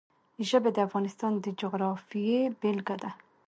ژبې د افغانستان د جغرافیې بېلګه ده.